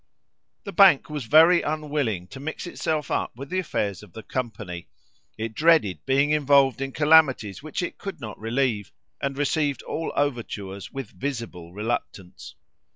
The Bank was very unwilling to mix itself up with the affairs of the company; it dreaded being involved in calamities which it could not relieve, and received all overtures with visible reluctance.